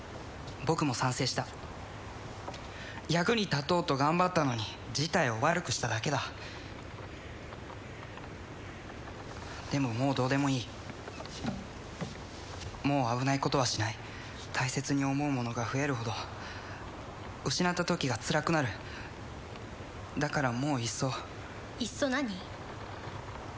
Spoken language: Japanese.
僕も賛成した役に立とうと頑張ったのに事態を悪くしただけだでももうどうでもいいもう危ないことはしない大切に思うものが増えるほど失った時がつらくなるだからもういっそいっそ何？